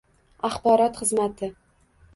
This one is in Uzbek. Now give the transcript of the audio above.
Axborot xizmati